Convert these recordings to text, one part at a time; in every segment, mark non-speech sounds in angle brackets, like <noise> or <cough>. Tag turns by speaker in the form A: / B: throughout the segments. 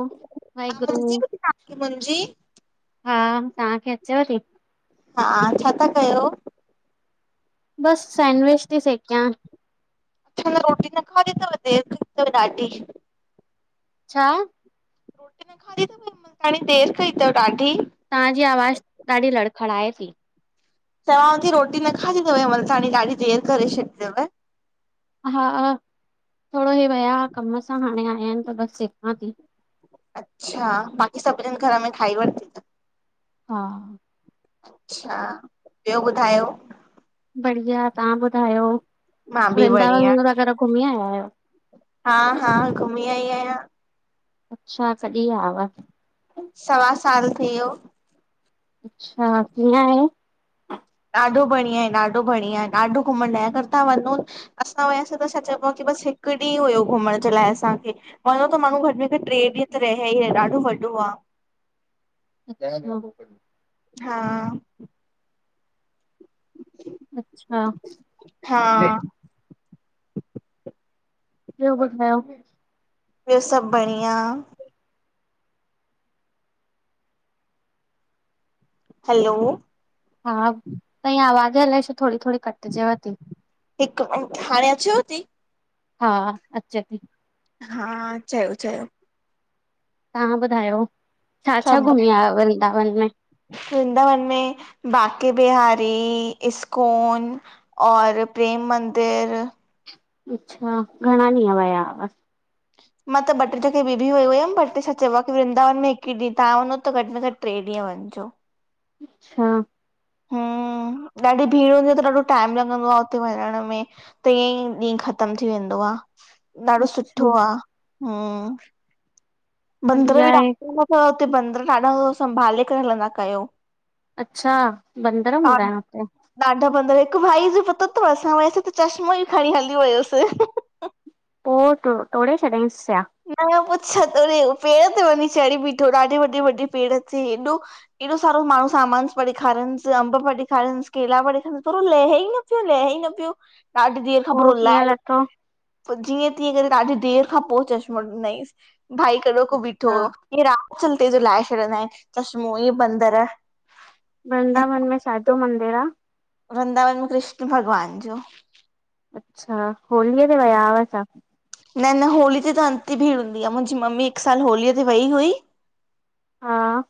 A: वाहेगुरु।
B: आवाज़ अचे पई तव्हांखे मुंहिंजी?
A: हा, तव्हांखे अचेव थी?
B: हा, छा ता कयो?
A: बसि सैंडविच ती सेकयां।
B: अच्छा, न रोटी न खादी अथव देर थी वई अथव ॾाढी।
A: छा?
B: <unintelligible> हाणे देर कई तव ॾाढी।
A: तांजी आवाज़ ॾाढी लड़खड़ाए ती।
B: चावांव ती रोटी न खादी तव या, वल सांणी ॾाढी देर करे छॾी तव।
A: हा, थोड़ो हे वया हा कम सां, हाणे आया आहिनि त बस सेकां ती।
B: अच्छा बाक़ी सभिनिन घर में खाई वरत
A: हा।
B: अच्छा ॿयो ॿुधायो?
A: बढ़िया तहां ॿुधायो?
B: मां बि
A: वृंदावन
B: बढ़िया
A: वग़ैरह घुमी आया आयो?
B: हा हा, घुमी आई आयां।
A: अच्छा, कॾी व्या हव।
B: सवा साल थी वियो।
A: अच्छा, कीअं आहीं?
B: ॾाढो बढ़िया ऐं ॾाढो बढ़िया ऐं ॾाढो घुमण लाइ अगर तां वञो। असां वियासे त छा चइबो आ कि बस हिकु ॾींहुं हुयो घुमण जे लाए असांखे, वञो त माण्हू घटि विथ ट्रे ॾींहं त रहिया ई आ, ॾाढो वॾो आ
A: <unintelligible>
B: हा।
A: अच्छा।
B: हा
A: ॿयो ॿुधायो।
B: ॿयो सभ बढ़िया। हलो।
A: हा, तांईं आवाज़ अलाए छो थोड़ी थोड़ी कटजेव ती।
B: हिकु मिंट हाणे अचेव ती?
A: हा, अचे ती।
B: हा, चयो चयो।
A: तां ॿुधायो? छा छा
B: सभु
A: घुमी आयव वृनंदावन में?
B: वृंदावन में, बांके बिहारी इस्कॉन और प्रेम मंदिर
A: अच्छा, घणा ॾींहं वया हव?
B: मां त ॿ ट्रे जॻहियूं ॿियूं भी वई हुयम, बट छा चवां कि वृंदावन में हिकु ॾींह, तहां वञो त घटि में घटि ट्रे ॾींहं वञिजो।
A: <unintelligible> <unintelligible>
B: हम्म ॾाढी भीड़ हूंदी आ त ॾाढो टाइम लॻंदो आ उते वञण में। त ईंअ ई ॾींह ख़तम थी वेंदो आ, ॾाढो
A: अच्छा
B: सुठो आ, हम्म। बंदर
A: बढ़िया
B: बि
A: आहे
B: ॾाढो हुंदा तव हुते बंदर ॾाढा संभाले करे हलंदा कयो।
A: अच्छा, बंदर
B: ॾा-
A: हुंदा इन हुते।
B: ॾाढा बंदर, हिकु भाई जो पतो तव असां हुआसी त चश्मो ई खणी हली वयुसि।
A: पोइ टु टोड़े छॾियाईंसि छा?
B: न पो छत पेड़ ते वञी चढ़ी बीठो, ॾाढे वॾे वॾे पेड़ ते हेॾो एॾो सारो माण्हू सामानु। पिया ॾेखारनिस, अंब पिया ॾेखारनसि, केला पिया ॾेखारनसि पर हू लहे ई न। पियो, लहे ई न पियो, ॾाढी देर खां पोइ
A: कीअं
B: रुलाए,
A: लथो
B: पोइ जीअं तीअं करे ॾाढी देरि खां पोइ चश्मो ॾिनईस। भाई कॾो को बीठो
A: हा
B: हुयो। चयईं राह चलते जो लाहे छॾींदा आहिनि चशमो ही बंदर।
A: वृ्ंदावन में छाजो मंदिर आ?
B: वृंदावन में कृष्ण भगवान जो।
A: अच्छा, होलीअ ते वया अव छा?
B: न-न होलीअ ते त अतीं भीड़ हूंदी आह, मुहिंजी मम्मी हिक साल होलीअ ते वई हुई।
A: हां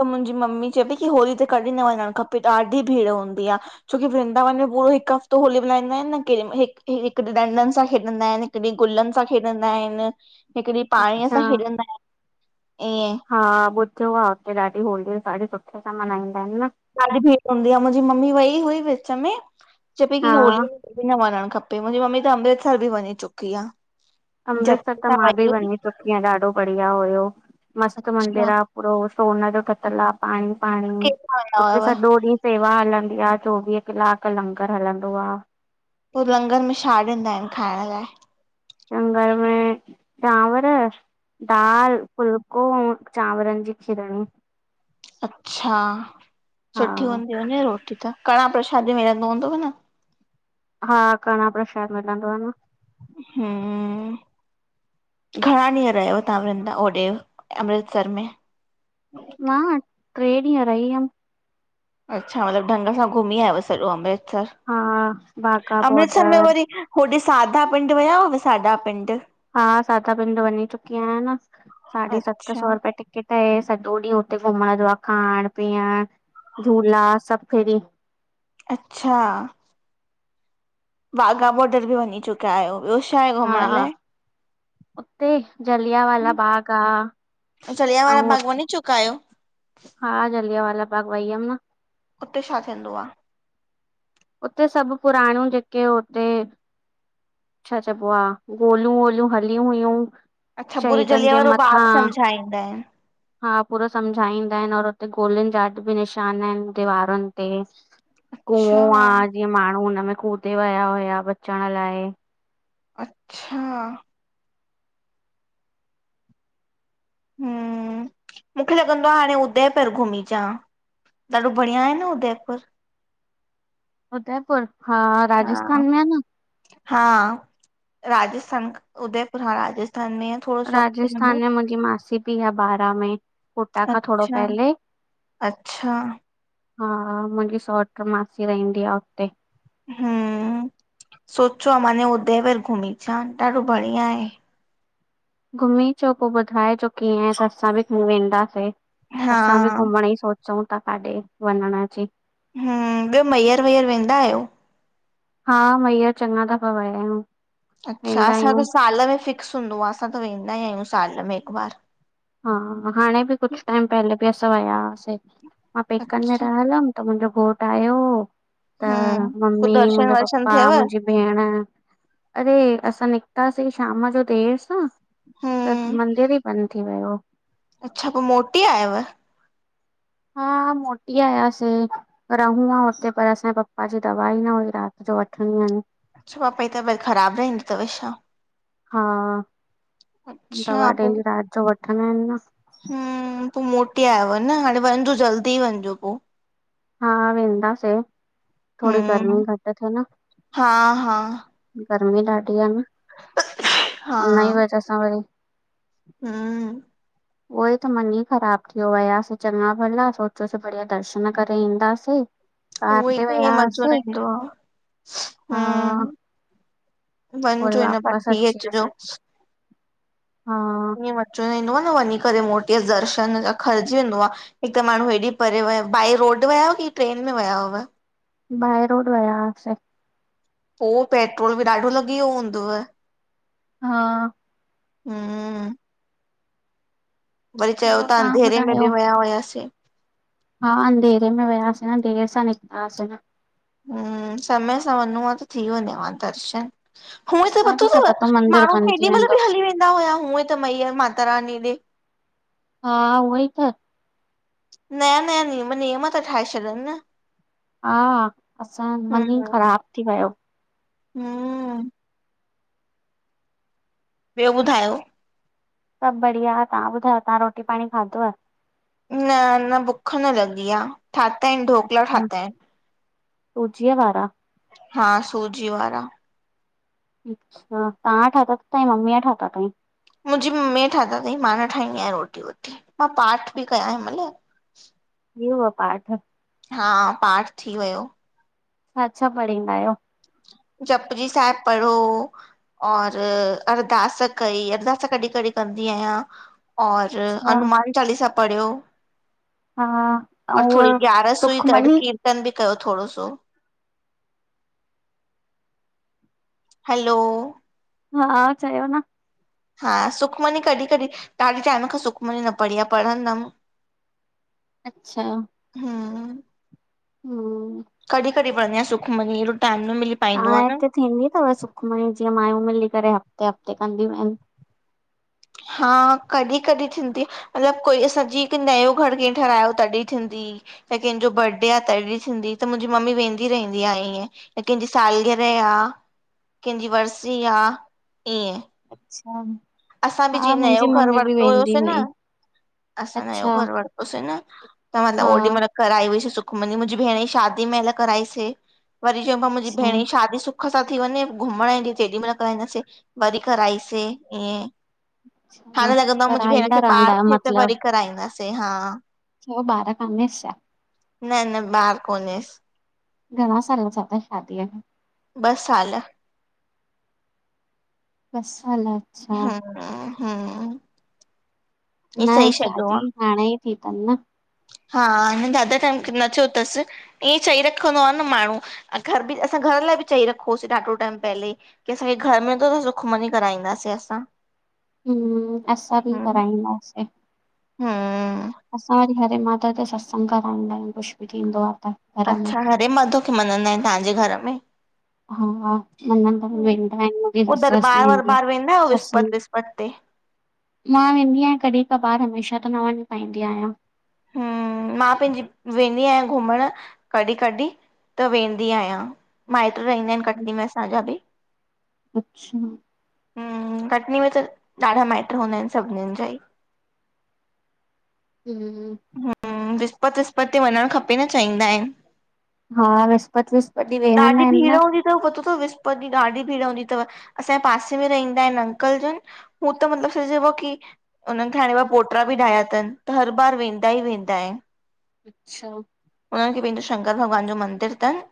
B: त मुहिंजी मम्मी चऐ पई की होली त कॾहिं न वञण खपे ॾाढी भीड़ हूंदी आ। छोकी वृंदावन में पूरो हिक हफ़्तो होली मनाईंनांयेन न। केम हिक हिक त डंडन सां खेॾंदा आए न। हिक ॾींह गुलन सां खेॾंदा आए न, हिक ॾींह पाणीअ
A: अच्छा
B: सां खेॾंदा आए न, ईअं।
A: हा बुध्यो आह उते ॾाढी होली ॾाढी सुठे सां मनाईंदा आऐन न।
B: ॾाढी भीड़ हूंदी आ, मुहिंजी मम्मी वई हुई विच में, चए पई की
A: हा
B: होलीअ में कॾहीं न वञण खप पे मुहिंजी मम्मी त अमृतसर बि वञीं चुकी आ।
A: अमृतसर
B: जते
A: त
B: सां
A: मां बि
B: वई हुई
A: वञी चुकी आया, ॾाढो बढ़िया हुयो, मस्त
B: अच्छा
A: मंदिर आ। पूरो सोन जो ठतल आ पाणी-पाणी,
B: केसां वेंदा हुयव?
A: उते सॼो ॾीह सेवा हलंदी आ, चोव़ीह क्लाक लंगर हलंदो आ।
B: पो लंगर में छा ॾींदा आहेन खायण लाए?
A: लंगर में चांवर, दाल, फुल्को अउं चांवरन जी खीरणी।
B: अच्छा,
A: हा।
B: सुठी हूंदी, हूदी रोटी त, कड़ा प्रशाद बि मिलंदो हूंदव न।
A: हा कड़ाह प्रशाद मिलंदो आ न।
B: हुंममम। घणा ॾीहं रहयव तहां वृंदाव होॾे अमृतसर में?
A: मां! ट्रे ॾीह रही अम।
B: अच्छा मतिलब ढंग सां घुमी आयव सॼो अमृतसर।
A: हा बाघा
B: अमृतसर में
A: बॉर्डर
B: वरी होॾे साधा पिंड वया हुअव साडा पिंड?
A: ह़ा साडा पिंड वञी चुकी आहयां न, साढी सत सौ
B: अच्छा
A: रुपया टिक किट आहें सॼो ॾींह हुते घुमण जो आ खायण, पीअण, झूला सब फ्री।
B: अच्छा! वाघा बोर्डर बि वञी चुकया आयो? ब्यों छाहे उत्
A: हा--उते, जलियावाला बाग आ।
B: जलियावाला
A: ऐं
B: बाग वनी चुका आयो?
A: हा जलियावाला बाग वईयम न।
B: उते छा थींदो आह?
A: उते सभ पुराणू जेकें उते छा चयबो आ गोलू-वोलू हली हुयूं।
B: अच्छा पूरो
A: शहीदनि जे
B: जलिया वारो बाग
A: मथां
B: समझा ईंदा आयेन।
A: हा पूरो समझाईं दायें और उते गोलिन जा अॼ बि निशान आहिन दिवारुन ते।
B: अच्छा
A: ख़ूह आ जीअं माणू हुनमें कूदे वया हुया बचण लाऐ।
B: अच्छा!
A: <unintelligible>
B: मूखे लगंदो आ, हाणे उदयपुर घुमीचा। ॾाढो बढ़िया आहे न उदयपुर?
A: उदयपुर, हा राजिस्थान
B: हा
A: में आ न।
B: हा! राजिस्थान उदयपुर हा राजिस्थान में आ न।
A: राजिस्थान में मुहिंजी मासी बि आ बारां में कोटा खां थोड़ो
B: अच्छा
A: पहेले।
B: अच्छा!
A: हा आ मुहिंजी सौट्र मासी रहिंदी आ उते।
B: हम्मम, सोचो आ माने उदयवर घुमी अचां, ॾाढो बढ़िया आहे।
A: घुमी अचो, पो ॿुधाए जो कीअं आये असां ॿि घुमी ईंदासीं,
B: हा
A: असां ॿि घुमण ई सोच चऊूंं ता काॾे वञण जी।
B: हुं ॿियो, मइयर वइयर वेंदा आहियो?
A: हा, मैयर चङा दफ़ा विया आहियूं।
B: अच्छा,
A: वेंदा
B: असां
A: आहियूं
B: त साल में फिक्स हूंदो आ, असां त वेंदा ई आहियूं साल में हिकु बार।
A: हा, हाणे बि कुछ टाइम पहले बि असां विया हासीं मां पेकनि में
B: अच्छा
A: रहल हुयमि त मुंहिंजो घोट आयो हो त
B: हम्म पो
A: मम्मी
B: दर्शन
A: मुंहिंजा
B: वर्शन
A: पपा
B: थियव?
A: मुंहिंजी भेण, अरे, असां निकितासीं शाम जो देर सां त
B: हम्म
A: मंदिर ई बंदि थी वियो।
B: अच्छा पो मोटी आयव?
A: हा, मोटी आयासे। रहूं हा हुते पर असांजे पप्पा जी दवाई ई न हुई रात जो वठणी हन।
B: छो, पापई तबियत ख़राब रहंदी तव छा?
A: हा, दवा
B: अच्छा
A: डेली राति जो वठंदा आहिन न।
B: हमम, पो मोटी आयव न हाणे वञिजो, जल्दी वञिजो पो।
A: हा, वेंदासे थोड़ी गर्मी
B: हम्म
A: घटि थे न।
B: हा हा
A: गर्मी ॾाढी आ न,
B: हा
A: उनई वजह सां वरी
B: हम्मम
A: उहोई त मन ई ख़राब थी व्यो, वयासीं चङा भला सोचियोसीं बढ़िया दर्शन करे ईंदासीं। कार
B: उहोई
A: ते
B: त, ईंअ मज़ो
A: वियासीं
B: न ईंदो आ,
A: हा
B: हम्म
A: वरी
B: वञिजो हिन बार,
A: वापसि
B: थी
A: अची
B: अचजो।
A: वियासीं हा,
B: ईयं मज़ो न ईंदो आ न वञी करे मोटी अच, दर्शन जा अखरजी वेंदो आ। हिकु माण्हू हेॾी परे विया, बाए रोड विया हुआ की ट्रेन में विया हुयव?
A: बाए रोड विया हुआसीं।
B: पो पेट्रोल बि ॾाढो लॻी वियो हूंदव?
A: हा,
B: हम्म वरी चयो
A: ॿियो
B: ता
A: तव्हां
B: अंधेरे में
A: ॿुधायो
B: बि विया हुयासीं।
A: हा, अंधेर में वियासीं न, देर सां निकितासीं न।
B: हुं, समय सां वञो आं त थी वञेव आं दर्शन। हूअं त
A: असांखे
B: पतो
A: छा
B: तव
A: मंदिर
B: माण्हू
A: बंदि थी
B: केॾी महिल
A: वेंदो।
B: बि हली वेंदा दा हुया हूूं ई त मैयर, माता रानी ॾे।
A: हा उह ई त
B: नयां- नयां नियम, नियम था ठाहे छॾनि न।
A: हा, असांजो मन ई
B: हम्म
A: ख़राब थी वियो।
B: हम्म ॿियो ॿुधायो?
A: सब बढ़िया, तव्हां ॿुधायो तव्हां रोटी पाणी खाधव?
B: न, अञा बुक्ख न लॻी आ, ठाता आहिनि ढोकला ठाता आहिनि।
A: सूजी अ वारा?
B: हा, सूजी वारा।
A: अच्छा, तव्हां ठाता, ताजी मम्मीअ ठाता तईं?
B: मुंहिंजी मम्मीअ ठाता तईं, मां न ठाहींदी आहियां रोटी वोटी, मां पाठ पइ कयां हिनमहिल।
A: थी वियव पाठ?
B: हा पाठ थी वयो।
A: छा-छा पढ़ींदा आयो?
B: जपजी साहिबु पढ़ो और अरदास कई, अरदास कॾी-कॾी कंदी आहियां और
A: अच्छा
B: हनुमान चालीसा पढ़ियो
A: हा ऐं
B: और
A: उहा
B: थोरी ग्यारस हुई त अॼु
A: सुखमनी
B: कीर्तन बि कयो थोड़ो सो। हैलो
A: हा चयो न
B: हा सुखमनी कॾहिं-कॾहिं, ॾाढे टाइमु खां सुखमनी न पढ़ी आहे पढ़ंदम।
A: अच्छा।
B: हा।
A: हम्म।
B: कॾी-कॾी पढंदी आयां सुखमनी, एॾो टाइमु न मिली पाईंदो
A: तव्हां
B: आहे न।
A: हिते थींदी अथव सुखमनी जीअं माययूं मिली करे हफ़्ते-हफ़्ते कंदियूं आहिनि?
B: हा कॾी-कॾी थींदी मतिलबु कोई असां जीअं के हिकु नयो घर कीअ ठाहरायो, तॾहिं थींदी त कंहिंजो बर्डे आहे तॾी थिंदी त मुंहिंजी मम्मी वेंदी रहंदी आ इअं त कंहिंजी सालगिरह आ, कंहिंजी वरसी आ ईअं।
A: अच्छा।
B: असां बि
A: हा
B: जीअं
A: मुंहिंजी
B: नयो घरि
A: मम्मी बि
B: वरतो
A: वेंदी
B: हुयोसे न,
A: हुई,
B: असां नयो
A: अच्छा
B: घर वर तो से नं तव्हां त
A: हा
B: ओॾी महल कराई हुई से सुख मनी, मुंहिंजी भेणु जी शादी महल कराई से, वरी चऊं पिया मुंहिंजी
A: अच्छा
B: भेण जी शादी सु सुख सां थी वञे, घुमण ईंद तेॾी महल कराईंदासे, वरी कराइसे ईअं।
A: अच्छा
B: हाणे लगे तो मुंहिंजी भेणु
A: कराईंदा
B: खे
A: रहंदा
B: ॿारु
A: आहियो
B: थिए त
A: मतलब,
B: वरी कराईंदासे, हा।
A: छो ॿारु कानेस छा?
B: न-न बारु कोनेस।
A: घॾा साल थिया तसि शादीअ खें?
B: ॿ साल।
A: ॿ साल। अच्छा
B: हा-हा।
A: न शादी हाणे ई थी अथन न?
B: हा अञा ज्यादा टाइमु न थो तसि। ईअं चई रखंदो आहे न माण्हू, अं घरि बि, असां घरि लाए बि चई रखोसे ॾाढो टाइमु पहले की असांखे घरि मिलंदो त सुखमनी कराईंदासे असां।
A: हम्म, असां बि
B: हम्म
A: कराईंदासे।
B: हम्म।
A: असां वरी हरे माधव जो सत्संग कराईंदा आयूं कुछ बि थींदो आ त। घर में।
B: अच्छा, हरे माधव खे मञंदा आहिनि तव्हांजे घरि में?
A: हा मञंदा आहिनि,
B: हम्म,
A: वेंदा आहिनि मुहिंजी
B: पो
A: ससु-वसु
B: दरबार
A: वेंदी आहे
B: वरबार वेंदा आहियो
A: सत्संग
B: विस्पति
A: ते।
B: विस्पति ते?
A: मां वेंदी आहियां कॾहिं-कॿार हमेशाह त न वञी पाईंदी आहियां।
B: हम्म, मां पंहिंजी वेंदी आहियां घुमण कॾहिं-कॾहिं त वेंदी आहियां। माईट्र रहंदा आहिनि कटनी में असांजा बि
A: अच्छा।
B: हम्म, कटनी में त ॾाढा माईट्र रहंदा आहिनि सभिनिन जा ई।
A: हम्म
B: विसपत- विसपत ते वञणु खपे न चइंदा आहिन।
A: हा, विस्पत- विस्पत ॾींहुं वेहंदा
B: ॾाढी
A: आहिन
B: भीड़
A: न।
B: हूंदी पतो थव विस्पत ॾींहुं ॾाढी भीङ हुंदी तव, असांजे पासे में रहंदा आहिन अंकल जन हू त मतलब छा चेॿो आ की हुनन खे हाणे पोटरा बि ठाहिया थन त हर बार वेंदो वेंदा ही वेंदा आहिन।
A: अच्छा
B: उन्हनि खे पंहिंजो शंकर भॻवान जो मंदिरु थनि।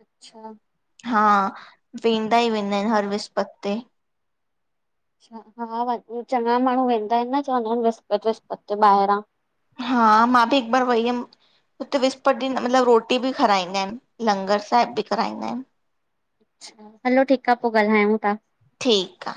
A: अच्छा
B: हा, वेंदा ई वेंदा आहिन हर विस्पति ते।
A: अ हा चङा माण्हू वेंदा आहिन न चवंदा आहिन बिसस्पत विसस्पत ते ॿाहिरां!
B: हा, मां बि हिकु बार वई हुयम। हुते विस्पति ॾींहुं मतलबु रोटी बि खाराईंदा आहिन, लंगर साहिब बि कराईंदा आहिन।
A: हलो ठीकु आ पोइ ॻाल्हायूं था।
B: ठीकु आ।